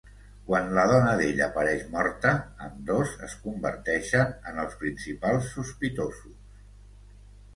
Quan la dona d'ell apareix morta, ambdós es converteixen en els principals sospitosos.